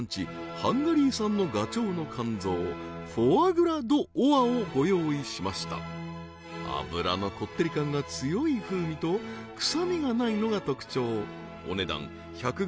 ハンガリー産のガチョウの肝臓フォアグラ・ド・オアをご用意しました脂のコッテリ感が強い風味と臭みがないのが特徴お値段１００ｇ